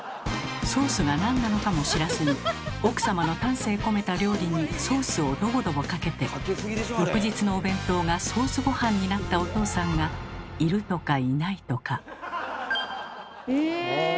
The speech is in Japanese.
ソースが何なのかも知らずに奥様の丹精込めた料理にソースをドボドボかけて翌日のお弁当がソースごはんになったおとうさんがいるとかいないとか。